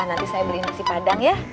nanti saya beli nasi padang ya